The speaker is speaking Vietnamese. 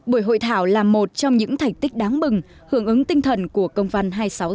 buổi hội thảo là một trong những thành tích đáng bừng hưởng ứng tinh thần của công văn hai nghìn sáu trăm sáu mươi hai